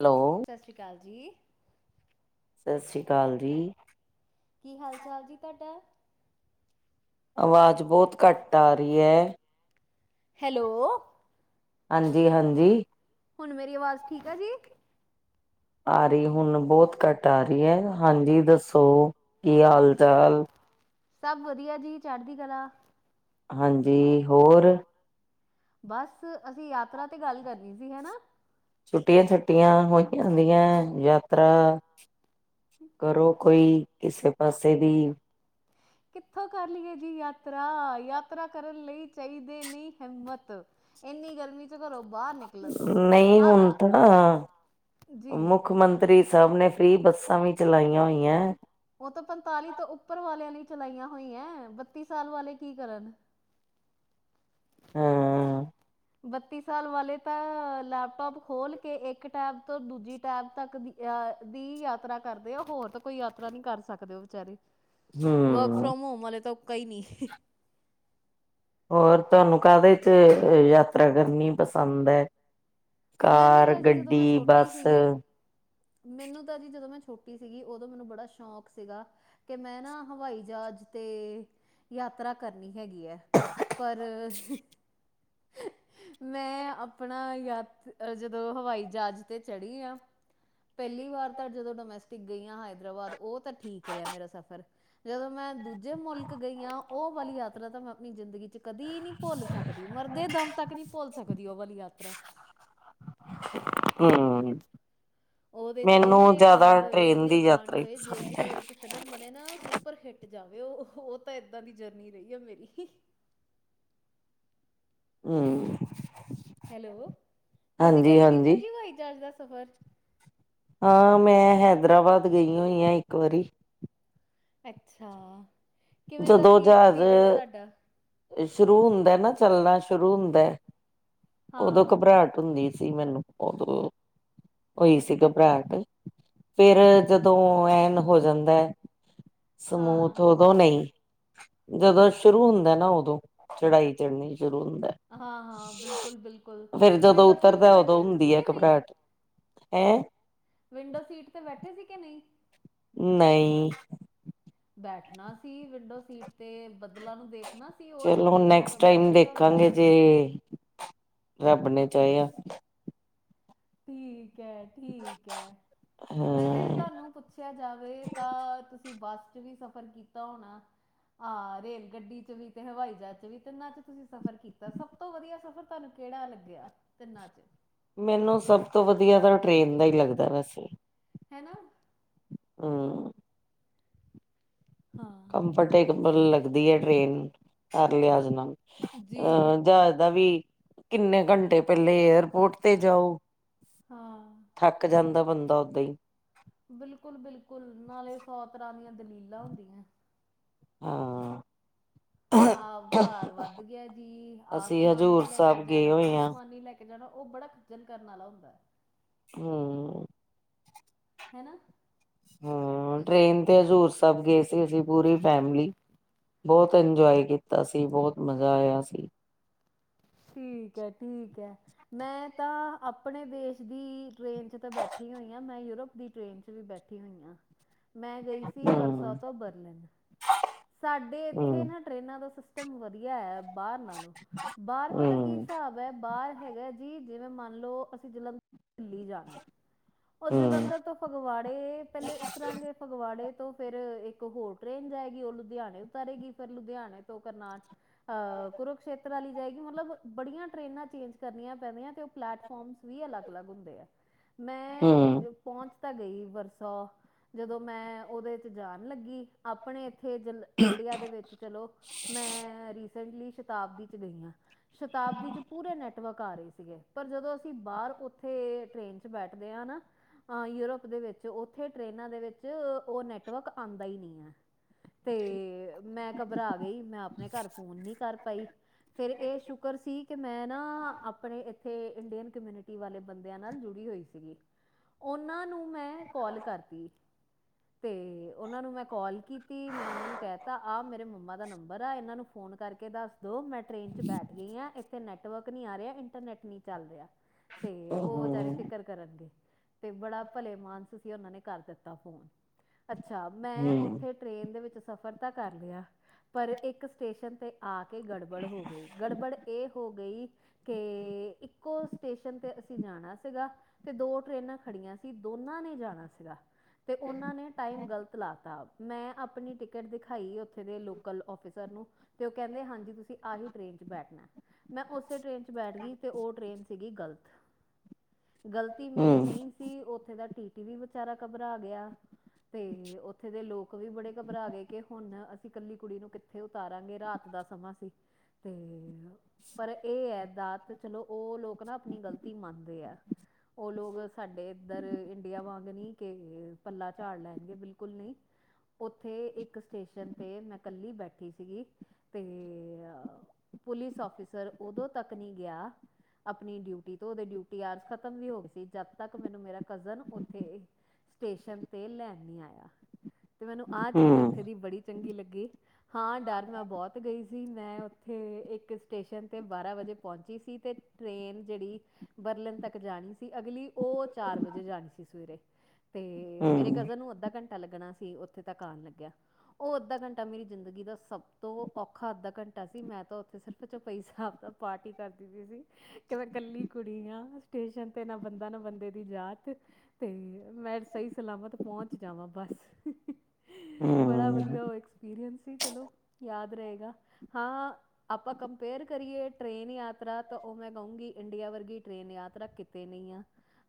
Hello. ਸਤਿ ਸ਼੍ਰੀ ਅਕਾਲ ਜੀ। ਸਤਿ ਸ਼੍ਰੀ ਅਕਾਲ ਜੀ। ਕੀ ਹਾਲ-ਚਾਲ ਜੀ ਤਾਡਾ? ਆਵਾਜ਼ ਬਹੁਤ ਘੱਟ ਆ ਰਹੀ ਹੈ। ਹੈਲੋ। ਹਾਂਜੀ-ਹਾਂਜੀ। ਹੁਨ ਮੇਰੀ ਆਵਾਜ਼ ਠੀਕ ਆ ਜੀ। ਆ ਰਹੀ ਹੁਣ ਬਹੁਤ ਘੱਟ ਆ ਰਹੀ ਹੈ। ਹਾਂਜੀ ਦੱਸੋ, ਕੀ ਹਾਲ- ਚਾਲ? ਸਬ ਵਦੀਆ ਜੀ, ਚਾੜਦੀ ਕਲਾ। ਹਾਂਜੀ ਹੋਰ? ਬਸ ਅਸੀਂ ਯਾਤਰਾ ਤੇ ਗੱਲ ਕਰਨੀ ਸੀ, ਹੈ ਨਾ। ਛੁੱਟੀਆਂ- ਛਾਤੀਆਂ ਹੋਈਆਂ ਹੁੰਦੀਆਂ ਯ। ਯਾਤਰਾ ਕਰੋ ਕੋਈ ਕਿਸੇ ਪਾਸੇ ਦੀ। ਕਿੱਥੋਂ ਕਰ ਲਈਏ ਜੀ ਯਾਤਰਾ, ਯਾਤਰਾ ਕਰਨ ਲਈ ਚਾਹੀਦੇ ਨੀ ਹਿੰਮਤ। ਐਨੀ ਗਰਮੀ। ਘਰੋ ਬਾਹਰ, ਨਿਕਲਣ ਦੀ ਨਹੀਂ ਆ ਹੁਣ ਤਾਂ ਨਾ ਜੀ ਮੁੱਖ ਮੰਤਰੀ। ਮੰਤਰੀ ਸਾਹਿਬ ਨੇ, ਫਰੀ ਬੱਸਾਂ ਵੀ ਚਲਾਈਆਂ ਹੋਈਆਂ ਐ। ਉਹ ਤਾਂ ਪੰਤਾਲੀ ਤੋਂ ਉੱਪਰ ਵਾਲਿਆਂ ਲਈ ਚਲਾਈਆਂ ਹੋਈ ਹੈ। ਬੱਤੀ ਸਾਲ ਵਾਲੇ ਕੀ ਕਰਨ। ਹਾਂ। ਬੱਤੀ ਸਾਲ ਵਾਲੇ ਤਾਂ ਲੈਪਟੋਪ ਖੋਲ ਕੇ ਇੱਕ ਟੈਬ ਤੋਂ ਦੂਜੀ ਟੈਬ ਤੱਕ ਦੀ, ਅ ਦੀ ਯਾਤਰਾ ਕਰਦੇ ਆ। ਹੋਰ ਤਾਂ ਕੋਈ ਯਾਤਰਾ ਨਹੀਂ ਕਰ ਸਕਦੇ ਉਹ ਵਿਚਚਾਰੇ। ਵਰਕ ਹੂੰ ਫ੍ਰੋਮ ਹੋਮ ਵਾਲਲੇ ਤਾਂ ਕਈ ਨਹੀਂ। ਹੋਰ ਤੁਹਾਨੂੰ ਕਾਹਦੇ ਚ ਯਾਤਰਾ ਕਰਨੀ ਪਸੰਦ ਹੈ? ਮੈਨੂੰ ਕਾਰ, ਤਾਂ ਜੀ ਜਦੋਂ ਮੈਂ ਗੱਡੀ, ਛੋਟੀ ਬੱਸ ਸੀਗੀ ਮੈਨੂੰ ਤਾਂ ਜੀ ਜਦੋਂ ਮੈਂ ਛੋਟੀ ਸੀਗੀ, ਉਦੋਂ ਮੈਨੂੰ ਬੜਾ ਸ਼ੌਕ ਸੀਗਾ। ਕਿ ਮੈਂ ਨਾ ਹਵਾਈ ਜਹਾਜ਼ ਤੇ, ਯਾਤਰਾ ਕਰਨੀ ਹੈਗੀ ਹੈ। ਪਰ ਮੈਂ ਆਪਣਾ ਯਾਤ ਜਦੋਂ ਹਵਾਈ ਜਹਾਜ਼ ਤੇ ਚੜੀ ਆ। ਪੈਲੀ ਵਾਰ ਤਾ ਜਦੋ ਡੋਮੈਸਟਿਕ ਗਈ ਆਂ ਹੈਦਰਾਬਾਦ, ਓ ਤਾ ਠੀਕ ਰੇਆ ਮੇਰਾ ਸਫ਼ਰ। ਜਦੋਂ ਮੈਂ ਦੂਜੇ ਮੁਲਕ ਗਈ ਹਾਂ, ਉਹ ਵਾਲੀ ਯਾਤਰਾ ਤਾਂ ਮੈਂ ਆਪਣੀ ਜ਼ਿੰਦਗੀ ਚ- ਕਦੀ ਨਹੀਂ ਭੁੱਲ ਸਕਦੀ। ਮਰਦੇ ਦਮ ਤੱਕ ਨਹੀਂ ਭੁੱਲ ਸਕਦੀ। ਉਹ ਵਾਲੀ ਯਾਤਰਾ। ਹੂੰ। ਉਹਦੇ ਚ ਮੈਨੂੰ ਇੰਨੇ ਜ਼ਿਆਦਾ ਕਾਂਡ ਹੋਏ, ਟ੍ਰੇਨ ਇੰਨੇ ਦੀ ਕਾਂਡ ਯਾਤਰਾ ਹੀ ਹੋਏ ਜੇ ਪਸੰਦ ਕਿਤੇ ਹੈ। ਉਹਦੇ ਤੇ ਫਿਲਮ ਬਣੇ ਨਾ ਸੁਪਰ ਹਿੱਟ ਜਾਵੇ ਉਹ। ਉਹ ਤਾਂ ਇੱਦਾਂ ਦੀ ਜਰਨੀ ਰਹੀ ਹੈ ਮੇਰੀ। ਹੂੰ। ਹੈਲੋ, ਤੁਸੀਂ ਹਾਂਜੀ ਕਦੇ ਕੀਤਾ ਹਾਂਜੀ ਜੀ ਹਵਾਈ ਜਹਾਜ਼ ਦਾ ਸਫ਼ਰ? ਹਾਂ ਮੈਂ ਹੈਦਰਾਬਾਦ ਗਈ ਹੋਈ ਹਾਂ, ਇੱਕ ਵਾਰੀ। ਅੱਛਾ, ਕਿਵੇਂ ਦਾ ਜਦੋਂ ਸੀ ਜਹਾਜ਼ ਐਕਸਪੀਰੀਅੰਸ ਤੁਹਾਡਾ। ਸ਼ੁਰੂ ਹੁੰਦਾ ਨਾ ਚੱਲਣਾ, ਸ਼ੁਰੂ ਹੁੰਦਾ ਉਦੋਂ ਹਾਂ, ਘਬਰਾਹਟ ਹੁੰਦੀ। ਸੀ ਮੈਨੂੰ, ਉਦੋਂ ਹੋਈ ਸੀ ਘਬਰਾਹਟ। ਫੇਰ ਜਦੋਂ ਐਨ ਹੋ ਜਾਂਦਾ ਹੈ, ਹਾਂ, ਸਮੂਥ ਉਦੋਂ ਨਹੀਂ। ਜਦੋਂ ਸ਼ੁਰੂ ਹੁੰਦਾ ਨਾ ਉਦੋਂ, ਚੜਾਈ ਚੜਨੀ ਸ਼ੁਰੂ ਹੁੰਦਾ। ਹਾਂ ਬਿਲਕੁਲ- ਬਿਲਕੁਲ ਫੇਰ ਜਦੋਂ ਵਿੰਡੋ ਸੀਟ ਤੇ ਉਤਰਦਾ ਬੈਠੇ ਉਦੋਂ ਸੀ ਹੁੰਦੀ ਤੁਸੀਂ ਹੈ ਕਿ ਨਹੀਂ? ਘਬਰਾਹਟ ਹੈਂ? ਵਿੰਡੋ ਸੀਟ ਤੇ ਬੈਠੇ ਸੀ ਕਿ ਨਹੀਂ? ਨਹੀਂ। ਬੈਠਣਾ ਸੀ ਵਿੰਡੋ ਸੀਟ ਤੇ, ਬਦਲਾਂ ਨੂੰ ਦੇਖ ਕਰਨਾ ਸੀ, ਉਹ ਐਕਸਪੀਰੀਅੰਸ ਤਾਂ ਬੜਾ ਹੀ ਵਧੀਆ ਹੁੰਦਾ। ਤੇ ਰੱਬ ਨੇ ਚਾਹਿਆ। ਠੀਕ ਹੈ- ਠੀਕ ਹੈ, ਵੈਸੇ ਹਾਂ ਤੁਹਾਨੂੰ ਪੁੱਛਿਆ ਜਾਵੇ ਤਾਂ ਤੁਸੀਂ ਬੱਸ ਚ ਵੀ ਸਫ਼ਰ ਕੀਤਾ ਹੋਣਾ। ਹਾਂ ਰੇਲ ਗੱਡੀ ਚ ਵੀ, ਤੇ ਹਵਾਈ ਜਹਾਜ਼ ਚ ਵੀ, ਤਿੰਨਾਂ ਚ ਤੁਸੀਂ ਸਫ਼ਰ ਕੀਤਾ ਸੀ। ਸਭ ਤੋਂ ਵਧੀਆ ਸਫ਼ਰ ਤੁਹਾਨੂੰ ਕਿਹੜਾ ਲੱਗਿਆ ਤਿੰਨਾਂ ਚੋ? ਮੈਨੂੰ ਸਭ ਤੋਂ ਵਧੀਆ ਤਾਂ ਟ੍ਰਰੇਨ ਦਾ ਹੀ ਲੱਗਦਾ ਵੈਸੇ। ਹੈ ਨਾ। ਹੂੰ। ਹਾਂ। ਕੰਫਰਟੇਬਲ ਲੱਗਦੀ ਹੈ ਟ੍ਰੇਨ, ਹਰ ਲਿਆਜ ਨਲ। ਜੀ ਅ ਜਾਦਾ ਵੀ ਕਿੰਨੇ ਘੰਟੇ ਪਹਿਲੇ ਏਅਰਪੋਰਟ ਤੇ ਜਾਓ। ਹਾਂ। ਥੱਕ ਜਾਂਦਾ ਬੰਦਾ ਓਦਾ ਹੀ। ਬਿਲਕੁਲ -ਬਿਲਕੁਲ ਨਾਲੇ ਸੌ ਤਰਾਂ ਦੀਆਂ ਦਲੀਲਾਂ ਹੁੰਦੀਆਂ। ਹਾਂ। ਆਹ ਭਾਰ ਵੱਧ ਗਿਆ ਜੀ। ਆ ਅਸੀਂ ਸਮਾਨ ਹਜ਼ੂਰ ਨੀ ਲੈ ਕੇ ਸਾਹਿਬ ਗਏ ਜਾਣਾ, ਹੋਏ ਉਹ ਹਾਂ ਸਮਾਨ ਨੀ ਲੈ ਕੇ। ਜਣਾ ਉਹ ਬੜਾ ਖੱਜਲ ਕਰਨ ਵਾਲਾ ਹੁੰਦਾ। ਹੂੰ। ਹੈ ਨਾ। ਹੂੰ, ਟ੍ਰੇਨ ਤੇ ਹਜ਼ੂਰ ਸਭ ਗਏ ਸੀ, ਅਸੀਂ ਪੂਰੀ ਫੈਮਿਲੀ। ਬਹੁਤ ਇੰਜੋਏ ਕੀਤਾ ਸੀ, ਬਹੁਤ ਮਜ਼ਾ ਆਇਆ ਸੀ। ਠੀਕ ਹੈ- ਠੀਕ ਹੈ ਮੈਂ ਤਾਂ ਆਪਣੇ ਦੇਸ਼ ਦੀ। ਟ੍ਰੇਨ ਚ ਤਾਂ ਬੈਠੀ ਹੋਈ ਹਾਂ, ਮੈਂ ਯੂਰਪ ਦੀ ਟ੍ਰੇਨ ਚ ਵੀ ਬੈਠੀ ਹੋਈ ਹਾਂ। ਮੈਂ ਗਈ ਸੀ ਹੂੰ, ਵਰਸਾ ਤੋਂ ਬਰਲਿਨ। ਸਾਡੇ ਇੱਥੇ ਨਾ ਟਰੇਨਾਂ ਦਾ ਸਿਸਟਮ ਵਧੀਆ ਹੈ। ਬਾਹਰ ਨਾਲੋਂ, ਬਾਹਰ ਪਤਾ ਕੀ ਹਿਸਾਬ ਹੈ, ਬਾਹਰ ਹੈਗਾ ਜੀ ਜਿਵੇਂ ਮੰਨਲਓ, ਅਸੀਂ ਜ ਦਿੱਲੀ ਜਾਣਾ। ਉਹ ਜਲੰਧਰ ਤੋਂ ਫਗਵਾੜੇ ਪਹਿਲੇ ਉਤਰਾਂਗੇ। ਫਗਵਾੜੇ ਤੋਂ ਫੇਰ ਇੱਕ ਹੋਰ ਟ੍ਰੇਨ ਜਾਏਗੀ। ਲੁਧਿਆਣੇ ਉਤਾਰੇਗੀ। ਫੇਰ ਲੁਧਿਆਣੇ ਤੋਂ ਕਰਨਾ ਅ ਕੁਰੂਕਸ਼ੇਤਰ ਵਾਲੀ ਜਾਏਗੀ ਮਤਲਬ ਬੜੀਆਂ ਟਰੇਨਾਂ ਚੇਂਜ ਕਰਨੀਆਂ ਪੈਂਦੀਆਂ ਤੇ ਉਹ ਪਲੈਟਫਾਰਮ ਵੀ ਅਲੱਗ- ਅਲੱਗ ਹੁੰਦੇ ਆ। ਮੈਂ ਪਹੁੰਚ ਤਾਂ ਗਈ ਵਰਸਾ। ਜਦੋਂ ਮੈਂ ਉਹਦੇ ਚ ਜਾਣ ਲੱਗੀ। ਆਪਣੇ ਇੱਥੇ ਜ- ਇੰਡੀਆ ਦੇ ਵਿੱਚ ਚਲੋ ਮੈਂ ਰੀਸੈਂਟਲੀ ਸ਼ਤਾਬਦੀ ਚ ਗਈ ਹਾਂ। ਸ਼ਤਾਬਦੀ ਚ ਪੂਰੇ ਨੈਟ- ਵਕ ਆ ਰਹੀ ਸੀਗੇ। ਪਰ ਜਦੋਂ ਅਸੀਂ ਬਾਹਰ ਉੱਥੇ ਟ੍ਰੇਨ ਚ ਬੈਠਦੇ ਹਾ ਨਾ। ਅ ਯੂਰਪ ਦੇ ਵਿੱਚ, ਉੱਥੇ ਟ੍ਰਰੇਨਾਂ ਦੇ ਵਿੱਚ ਉਹ ਨੈਟਵਰਕ ਆਉਂਦਾ ਹੀ ਨਹੀਂ ਹੈ। ਤੇ ਮੈਂ ਘਬਰਾ ਗਈ। ਮੈਂ ਆਪਣੇ ਘਰ ਫੋਨ ਨਹੀਂ ਕਰ ਪਾਈ। ਫੇਰ ਇਹ ਸ਼ੁਕਰ ਸੀ, ਕਿ ਮੈਂ ਨਾ ਆਪਣੇ ਇੱਥੇ ਇੰਡੀਅਨ ਕਮਿਊਨਿਟ ਵਾਲੇ ਬੰਦਿਆਂ ਨਾਲ ਜੁੜੀ ਹੋਈ ਸੀਗੀ, ਉਹਨਾਂ ਨੂੰ ਮੈਂ ਕਾਲ ਕਰਤੀ। ਤੇ ਉਹਨਾਂ ਨੂੰ ਮੈਂ ਕਾਲ ਕੀਤੀ, ਮੈਂ ਇਹਨਾ ਨੂੰ ਕਹਿ ਤਾ ਆਹ ਮੇਰੇ ਮੰਮਾ ਦਾ ਨੰਬਰ ਆ। ਇਹਨਾਂ ਨੂੰ ਫੋਨ ਕਰਕੇ ਦੱਸ ਦੋ, ਮੈਂ ਟ੍ਰੇਨ ਚ ਬੈਠ ਗਈ ਹਾਂ ਏ। ਨੈਟਵਰਕ ਨੀ ਆ ਰਿਹਾ। ਇੰਟਰਨੈਟ ਨੀ ਚੱਲ ਰਿਹਾ। ਤੇ ਉਹ ਵਿਚਾਰੇ ਫਿਕਰ ਕਰਨਗੇ। ਤੇ ਬੜਾ ਭਲੇ ਮਾਨਸ ਸੀ ਉਹਨਾਂ ਨੇ ਕਰ ਦਿੱਤਾ ਫੋਨ। ਅੱਛਾ ਮੈਂ ਉੱਥੇ ਟ੍ਰੇਨ ਦੇ ਵਿੱਚ ਸਫ਼ਰ ਤਾਂ ਕਰ ਲਿਆ। ਪਰ ਇੱਕ ਸਟੇਸ਼ਨ ਤੇ- ਆ ਕੇ ਗੜਬੜ ਹੋ ਗਈ। ਗੜਬੜ ਇਹ ਹੋ ਗਈ। ਕੇ ਇੱਕੋ ਸਟੇਸ਼ਨ ਤੇ ਅਸੀਂ ਜਾਣਾ ਸੀਗਾ। ਤੇ ਦੋ ਟਰੇਨਾਂ ਖੜੀਆਂ ਸੀ, ਦੋਨਾਂ ਨੇ ਜਾਣਾ ਸੀਗਾ। ਤੇ ਉਹਨਾਂ ਨੇਂ ਟਾਈਮ ਗ਼ਲਤ ਲਾ ਤਾ, ਮੈਂ ਆਪਣੀ ਟਿਕਟ ਦਿਖਾਈ ਉੱਥੇ ਦੇ ਲੋਕਲ ਆਫਿਸਰ ਨੂੰ ਤੇ ਉਹ ਕਹਿੰਦੇ ਹਾਂਜੀ, ਤੁਸੀਂ ਆਹੀ ਟ੍ਰੇਨ ਚ ਬੈਠਣਾ। ਮੈਂ ਉਸੇ ਟ੍ਰਰੇਨ ਚ ਬੈਠ ਗਈ ਤੇ ਓਹ ਟ੍ਰੇਨ ਸੀਗੀ ਗਲਤ। ਗਲਤੀ ਮੇਰੀ ਨਈਂ ਸੀ। ਉੱਥੇ ਦਾ ਟੀ ਟੀ ਵੀ ਵਿਚਾਰਾ ਘਬਰਾ ਗਿਆ। ਤੇ ਉੱਥੇ ਦੇ ਲੋਕ ਵੀ ਬੜੇ ਘਬਰਾ ਗਏ ਕਿ ਹੁਣ ਅਸੀਂ ਇਕੱਲੀ ਕੁੜੀ ਨੂੰ ਕਿੱਥੇ ਉਤਾਰਾਂਗੇ ਰਾਤ ਦਾ ਸਮਾਂ ਸੀ। ਤੇ ਪਰ ਇਹ ਹੈ ਦਾਤ ਚਲੋ ਉਹ ਲੋਕ ਨਾਂ ਆਪਣੀ ਗ਼ਲਤੀ ਮੰਨਦੇ ਆ ਉਹ ਲੋਕ ਸਾਡੇ ਇੱਧਰ ਇੰਡੀਆ ਵਾਂਗ ਨਹੀਂ ਕੇ ਪੱਲਾ ਝਾੜ ਲੈਣਗੇ ਬਿਲਕੁਲ ਨੀਂ ਉੱਥੇ ਇੱਕ ਸਟੇਸ਼ਨ ਤੇ ਮੈਂ ਕੱਲੀ ਬੈਠੀ ਸੀਗੀ। ਤੇ ਪੁਲਿਸ ਆਫਿਸਰ ਉਦੋਂ ਤੱਕ ਨਹੀਂ ਗਿਆ ਆਪਣੀ ਡਿਊਟੀ ਤੋਂ ਉਹਦੇ ਡਿਊਟੀ ਆਰਸ ਖ਼ਤਮ ਵੀ ਹੋ ਗਈ ਸੀ, ਜਦ ਤੱਕ ਮੈਨੂੰ ਮੇਰਾ ਕਜ਼ਨ ਉੱਥੇ ਸਟੇਸ਼ਨ ਤੇ ਲੈਣ ਨਈਂ ਆਇਆ ਤੇ ਮੈਨੂੰ ਆਹ ਚੀਜ਼ ਉੱਥੇ ਦੀ ਬੜੀ ਚੰਗੀ ਲੱਗੀ ਹਾਂ ਡਰ ਮੈਂ ਬੋਤ ਗਈ ਸੀ ਮੈਂ ਓਥੇ ਏਕ ਸਟੇਸ਼ਨ ਤੇ ਬਾਰਾ ਵਜੇ ਪੌਂਚੀ ਸੀ ਤੇ ਟ੍ਰੇਨ ਜਿਹੜੀ ਬਰਲਿਨ ਤੱਕ ਜਾਣੀ ਸੀ ਅਗਲੀ, ਉਹ ਚਾਰ ਵਜੇ ਜਾਣੀ ਸੀ ਸਵੇਰੇ। ਤੇ ਮੇਰੇ ਕਜ਼ਨ ਨੂੰ ਅੱਧਾ ਘੰਟਾ ਲੱਗਣਾ ਸੀ ਉੱਥੇ ਤੱਕ ਆਣ ਲੱਗਿਆ ਉਹ ਅੱਧਾ ਘੰਟਾ ਮੇਰੀ ਜ਼ਿੰਦਗੀ ਦਾ ਸਭ ਤੋਂ ਔਖਾ ਅੱਧਾ ਘੰਟਾ ਸੀ। ਮੈਂ ਤਾਂ ਉੱਥੇ ਸਿਰ ਜਪਈ ਸਾਬ ਦਾ ਪਾਠ ਈ ਕਰਦੀ ਪਈ ਸੀ। ਕਿ ਮੈਂ ਕੱਲੀ ਕੁੜੀ ਆ, ਸਟੇਸ਼ਨ ਤੇ ਨਾਂ ਬੰਦਾ, ਨਾਂ ਬੰਦੇ ਦੀ ਜਾਤ ਤੇ ਮੈਂ ਸਹੀ ਸਲਾਮਤ ਪਹੁੰਚ ਜਾਵਾਂ ਬਸ [unintelligible] ਬੜਾ ਵਧੀਆ ਉਹ ਐਕਸਪੀਰੀਅੰਸ ਸੀ ਚਲੋ, ਯਾਦ ਰਹੇਗਾ। ਹਾਂ ਆਪਾਂ ਕੰਪੇਅਰ ਕਰੀਏ ਟ੍ਰੇਨ ਯਾਤਰਾ ਤਾਂ ਉਹ ਮੈਂ ਕਹੂਗੀ ਇੰਡੀਆ ਵਰਗੀ ਟ੍ਰੇਨ ਯਾਤਰਾ ਕਿਤ ਤੇ ਨਈਂ ਆ।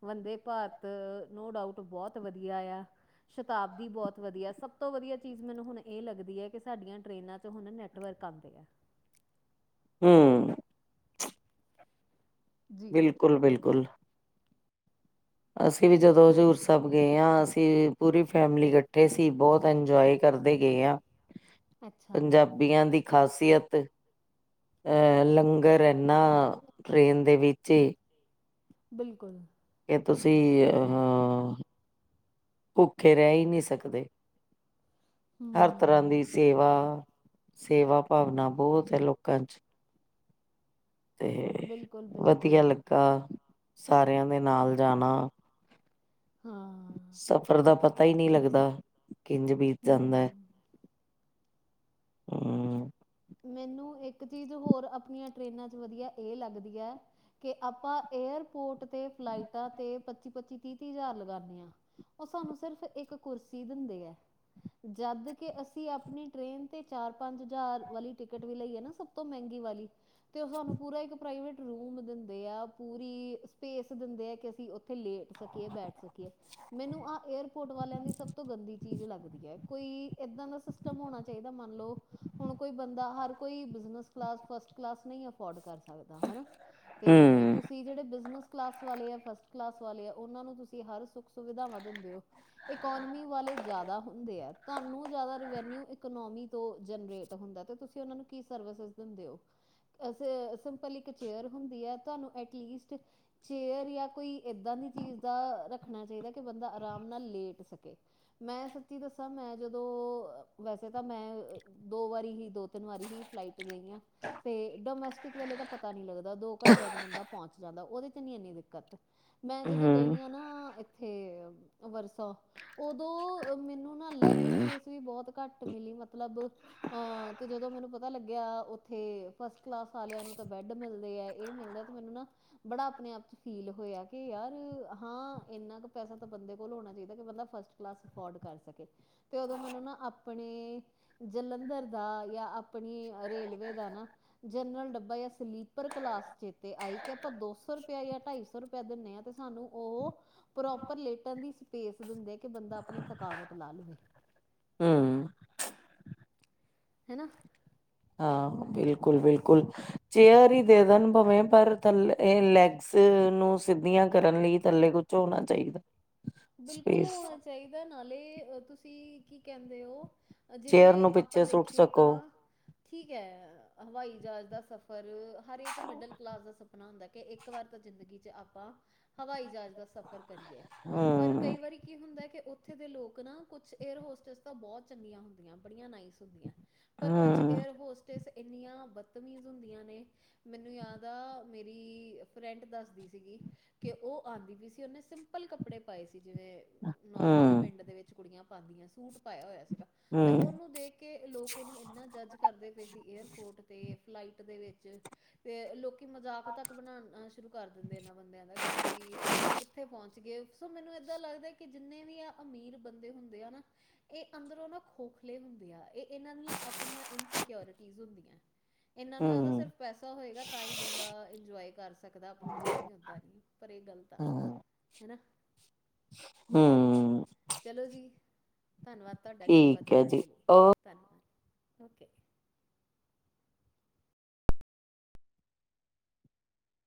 ਵੰਦੇ ਭਾਰਤ ਨੋ ਡਾਊਟ ਬਹੁਤ ਵਧੀਆ ਆ। ਸ਼ਤਾਬਦੀ ਬਹੁਤ ਵਧੀਆ। ਸਭ ਸਭ ਤੋਂ ਵਧੀਆ ਚੀਜ਼ ਮੈਨੂੰ ਹੁਣ ਇਹ ਲੱਗਦੀ ਐ ਕਿ ਸਾਡੀਆਂ ਟਰੇਨਾਂ ਚ ਹੁਣ ਨੈੱਟਵਰਕ ਆਉਂਦੇ ਆ ਹਂ ਬਿਲਕੁਲ, ਬਿਲਕੁਲ। [inaudible] ਅਸੀਂ ਵੀ ਜਦੋਂ ਹਜ਼ੂਰ ਸਾਹਿਬ ਗਏ ਹਾਂ, ਅਸੀਂ ਪੂਰੀ ਫੈਮਿਲੀ ਇਕੱਠੇ ਸੀ, ਬਹੁਤ ਇੰਜੋਏ ਕਰਦੇ ਗਏ ਆਂ [inaudible] ਪੰਜਾਬੀਆਂ ਦੀ ਖ਼ਾਸੀਅਤ ਅਹ ਲੰਗਰ ਇਨਾਂ ਟਰੇਨ ਦੇ ਵਿੱਚ ਈ ਬਿਲਕੁਲ ਕਿ ਤੁਸੀਂ ਅਹ ਭੁੱਖੇ ਰਹਿ ਈ ਨੀਂ ਸਕਦੇ। ਹਰ ਤਰ੍ਹਾਂ ਹਮ, ਦੀ ਸੇਵਾ, ਸੇਵਾ ਭਾਵਨਾ ਬਹੁਤ ਏ ਲੋਕਾਂ ਚ। ਤੇ ਬਿਲਕੁਲ ਅ ਵਧੀਆ ਬਿਲਕੁਲ ਲੱਗਾ। ਸਾਰਿਆਂ ਦੇ ਨਾਲ ਜਾਣਾ। ਹਾਂ। ਸਫ਼ਰ ਦਾ ਪਤਾ ਈ ਨਹੀਂ ਲੱਗਦਾ, ਕਿੰਜ ਬੀਤ ਜਾਂਦਾ ਐ। ਹੂੰ ਹਮ ਮੈਨੂੰ ਇੱਕ ਚੀਜ਼ ਹੋਰ ਆਪਣੀਆਂ ਟ੍ਰਰੇਨਾਂ ਚ ਵਧੀਆ ਇਹ ਲੱਗਦੀ ਆ ਕੇ ਆਪਾਂ ਏਅਰਪੋਰਟ ਤੇ, ਫਲਾਈਟਾਂ ਤੇ, ਪੱਚੀ-ਪੱਚੀ, ਤੀਹ-ਤੀਹ ਹਜ਼ਾਰ ਲਗਾਨੇਂ ਆਂ। ਉਹ ਸਾਨੂੰ ਸਿਰਫ਼ ਇੱਕ ਕੁਰਸੀ ਦਿੰਦੇ ਐ। ਜਦ ਕਿ ਅਸੀਂ ਆਪਣੀ ਟ੍ਰੇਨ ਤੇ ਚਾਰ-ਪੰਜ ਹਜ਼ਾਰ ਵਾਲੀ ਟਿਕਟ ਵੀ ਲਈ ਐ ਨਾਂ, ਸਭ ਤੋਂ ਮਹਿੰਗੀ ਵਾਲੀ ਤੇ ਉਹ ਸਾਨੂੰ ਪੂਰਾ ਇੱਕ ਪ੍ਰਾਈਵੇਟ ਰੂਮ ਦਿੰਦੇ ਆ। ਪੂਰੀ ਅ ਸਪੇਸ ਦਿੰਦੇ ਆ ਕਿ ਅਸੀਂ ਉੱਥੇ ਲੇਟ ਸਕੀਏ, ਬੈਠ ਸਕੀਏ। ਮੈਨੂੰ ਆਹ ਏਅਰਪੋਰਟ ਵਾਲਿਆਂ ਦੀ ਸਭ ਤੋਂ ਗੰਦੀ ਚੀਜ਼ ਲੱਗਦੀ ਏ। ਕੋਈ ਏਦਾਂ ਦਾ ਸਿਸਟਮ ਹੋਣਾ ਚਾਹੀਦਾ। ਮੰਨ ਲਓ! ਹੁਣ ਕੋਈ ਬੰਦਾ ਹਰ ਕੋਈ ਬਿਜਨਸ ਕਲਾਸ, ਫਸਟ ਕਲਾਸ ਨਹੀਂ ਅਫੋਰਡ ਕਰ ਸਕ ਸਕਦਾ ਹਨਾਂ, ਤੇ ਹਮ ਤੁਸੀਂ ਜਿਹੜੇ ਬਿਜਨਸ ਕਲਾਸ ਵਾਲੇ ਆ, ਫਸਟ ਕਲਾਸ ਵਾਲੇ ਆ, ਉਹਨਾਂ ਨੂੰ ਤੁਸੀਂ ਹਰ ਸੁੱਖ ਸੁਵਿਧਾਵਾਂ ਦਿੰਦੇ ਹੋ। ਇਕੋਨਮੀ ਵਾਲੇ ਜ਼ਿਆਦਾ ਹੁੰਦੇ ਹੈ ਤੁਹਾਨੂੰ ਜ਼ਿਆਦਾ ਰਵੈਨਿਊ ਇਕੋਨੋਮੀ ਤੋਂ ਜਨਰੇਟ। ਹੁੰਦਾ ਤੇ ਤੁਸੀਂ ਉਹਨਾ ਨੂੰ ਕੀ ਸਰਵਿਸ ਦਿੰਦੇ ਹੋ। ਵੈਸੇ ਸਿੰਪਲ ਇੱਕ ਚੇਅਰ ਹੁੰਦੀ ਆ। ਤੁਹਾਨੂੰ ਐਟਲੀਸਟ ਚੇਅਰ ਜਾਂ ਕੋਈ ਏਦਾਂ ਦੀ ਚੀਜ਼ ਦਾ ਰੱਖਣਾ ਚਾਹੀਦਾ ਕਿ ਬੰਦਾ ਆਰਾਮ ਨਾਲ ਲੇਟ ਸਕੇ। ਮੈਂ ਸੱਚੀ ਦੱਸਾਂ ਮੈਂ ਜਦੋਂ ਵੈਸੇ ਤਾਂ ਮੈਂ। ਦੋ ਵਾਰੀ ਹੀ, ਦੋ ਤਿੰਨ ਵਾਰੀ ਹੀ। ਫਲਾਈਟ ਲਈਆਂ ਤੇ ਡੋਮੈਸਟਿਕ ਵੇਲੇ ਤਾਂ ਪਤਾ ਨੀ ਲੱਗਦਾ ਦੋ ਘੰਟਿਆਂ ਚ ਬੰਦਾ ਪਹੁੰਚ। ਜ਼ਿਆਦਾ ਉਹਦੇ ਚ ਨੀ ਇੰਨੀ ਦਿੱਕਤ। ਮੈਂ ਜਦੋਂ ਹਮ ਗਈ ਆ ਨਾ ਇੱਥੇ ਵਰਸਾ। ਉਦੋਂ ਮੈਨੂੰ ਨਾ ਲੈਗ ਸਪੇਸ ਵੀ ਬਹੁਤ ਘੱਟ ਮਿਲੀ। ਮਤਲਬ ਹਾਂ ਤੇ ਜਦੋਂ ਮੈਨੂੰ ਪਤਾ ਲੱਗਿਆ ਉੱਥੇ ਫਸਟ ਕਲਾਸ ਵਾਲਿਆਂ ਨੂੰ ਤਾਂ ਬੈਡ ਮਿਲਦੇ ਹੈ। ਇਹ ਮਿਲਦਾ ਤੇ ਮੈਨੂੰ ਨਾ। ਬੜਾ ਆਪਣੇ ਆਪ 'ਚ ਫੀਲ ਹੋਇਆ। ਕਿ ਯਾਰ ਹਾਂ! ਇੰਨਾ ਕੁ ਪੈਸਾ ਤਾਂ ਬੰਦੇ ਕੋਲ ਹੋਣਾ ਚਾਹੀਦਾ। ਕਿ, ਬੰਦਾ ਫਸਟ ਕਲਾਸ ਅਫੋਰਡ ਕਰ ਸਕੇ। ਤੇ ਉਦੋਂ ਮੈਨੂੰ ਨਾ ਆਪਣੇ ਜਲਣ ਜਿਧਰ ਦਾ ਜਾਂ, ਆਪਣੀ ਰੇਲਵੇ ਦਾ ਨਾ। ਜਨਰਲ ਡੱਬਾ ਯਾ ਸਲੀਪਰ ਕਲਾਸ ਚੇਤੇ ਆਈ ਕਿ ਆਪਾਂ ਦੋ ਸੋ ਰੁਪਇਆ ਜਾਂ ਢਾਈ ਸੋ ਰੁਪਇਆ। ਪੈ ਦਿੰਦੇ ਆ ਤੇ ਸਾਨੂੰ ਉਹ। ਪ੍ਰੋਪਰ ਲੇਟਣ ਦੀ ਸਪੇਸ ਦਿੰਦੇ ਕਿ! ਬੰਦਾ ਆਪਣੀ ਥਕਾਵਟ ਲਾ ਲਵੇ। ਹੂੰ! ਹੈ ਨਾ। ਹਾਂ ਬਿਲਕੁਲ, ਬਿਲਕੁਲ। ਚੇਅਰ ਹੀ ਦੇ ਦੇਣ ਭਾਵੇ। ਪਰ, ਥੱਲੇ ਅ ਲੈਗਸ ਨੂੰ ਸਿੱਧੀਆਂ ਕਰਨ ਲਈ ਥੱਲੇ ਕੁਝ। ਹੋਣਾ ਚਾਹੀਦਾ। ਬਿਲਕੁਲ ਸਪੇਸ ਹੋਣਾ ਚਾਹੀਦਾ ਨਾਲੇ ਤੁਸੀਂ ਕੀ ਕਹਿੰਦੇ ਹੋ? ਚੇਅਰ ਜਿਵੇਂ ਨੂੰ ਆਪਾਂ ਪਿੱਛੇ ਸੁੱਟ ਦੇਖੀਏ ਸਕੋ ਤਾਂ ਠੀਕ ਹੈ ਹਵਾਈ ਜਹਾਜ਼ ਦਾ ਸਫ਼ਰ। ਪਰ! ਹਰ ਇੱਕ ਮਿਡਲ ਕਲਾਸ ਦਾ ਸਪਨਾ ਹੁੰਦਾ। ਕੇ, ਕਿ! ਇੱਕ ਵਾਰ ਤਾਂ ਜ਼ਿੰਦਗੀ 'ਚ ਆਪਾਂ ਹਵਾਈ- ਜਹਾਜ਼ ਦਾ ਸਫ਼ਰ ਕਰੀਏ। ਹੂੰ! ਪਰ ਕਈ ਵਾਰੀ ਕੀ ਹੁੰਦਾ ਏ। ਕਿ, ਉੱਥੇ ਦੇ ਲੋਕ ਨਾ ਕੁਛ ਏਅਰ ਹੋਸਟਸ ਤਾਂ ਬਹੁਤ ਚੰਗੀਆਂ ਹੁੰਦੀਆਂ। ਬੜੀਆਂ ਨਾਈਸ ਹੁੰਦੀਆਂ ਪਰ ਕੁਛ ਹਮ ਏਅਰ ਹੋਸਟ ਇੰਨੀਆਂ ਬਦਤਮੀਜ਼ ਹੁੰਦੀਆਂ ਨੇ। ਮੈਨੂੰ ਯਾਦ ਆ ਮੇਰੀ ਫਰੈਂਡ ਦੱਸਦੀ ਸੀਗੀ। ਕਿ ਉਹ ਆਉਂਦੀ ਪਈ ਸੀ। ਉਹਨੇ ਸਿੰਪਲ ਕੱਪੜੇ ਪਾਏ ਸੀ ਜਿਵੇਂ ਨੋਰਮਲ ਹਮ ਪਿੰਡ ਦੇ ਵਿੱਚ ਕੁੜੀਆਂ ਪਾਉਂਦੀਆਂ ਸੂਟ ਪਾਇਆ ਹੋਇਆ ਸੀਗਾ। ਤੇ, ਹਮ ਉਹਨੂੰ ਦੇਖ ਕਿ ਲੋਕ ਉਹਨੂੰ ਇੰਨਾ ਜੱਜ ਕਰਦੇ ਪਏ ਸੀ ਏਅਰਪੋਰਟ ਤੇ ਫਲਾਈਟ ਦੇ ਵਿੱਚ। ਫਿਰ ਲੋਕੀ। ਕਿ! ਮਜ਼ਾਕ ਤੱਕ ਬਣਾਣਾ ਆ ਸ਼ੁਰੂ ਕਰ ਦਿੰਦੇ, ਇਹਨਾਂ ਬੰਦਿਆਂ ਦਾ ਕਿ! ਤੁਸੀਂ ਕਿੱਥੇ ਪਹੁੰਚ ਗਏ? ਸੋ ਮੈਨੂੰ ਏਦਾਂ ਲੱਗਦਾ ਕਿ ਜਿੰਨੇ ਵੀ ਆ ਅਮੀਰ ਬੰਦੇ ਹੁੰਦੇ ਆ ਨਾ। ਇਹ ਅੰਦਰੋਂ ਨਾ ਖੋਖਲੇ ਹੁੰਦੇ ਆ ਇਹ ਇਹਨਾਂ ਦੀਆਂ ਆਪਣੀਆਂ ਇਨਸਿਕਿਓਰਿਟੀਜ਼ ਹੁੰਦੀਆਂ। ਇਹਨਾ ਨੂੰ ਲੱਗਦਾ ਹਮ ਸਿਰਫ। ਪੈਸਾ ਹੋਏਗਾ ਤਾਂ ਹੀ ਬੰਦਾ ਇੰਜੋਏ ਕਰ ਸਕਦਾ ਆਪਣੀ ਜਰਨੀ ਓਦਾਂ ਨਹੀਂ ਪਰ ਇਹ ਗਲਤ ਆ। ਹੈਨਾ। ਹੂੰ! ਚਲੋ ਜੀ, ਧੰਨਵਾਦ। ਤੁਹਾਡਾ ਗੱਲਬਾਤ ਠੀਕ ਹੈ ਕਰਨ ਜੀ, ਦੇ ਲਈ ਉਕੇ। ਧੰਨਵਾਦ, ਓਕੇ।